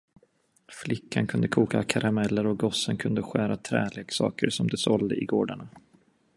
Flickan kunde koka karameller och gossen kunde skära träleksaker som de sålde i gårdarna.